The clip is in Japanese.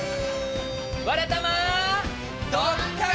「わらたま」。「ドッカン」！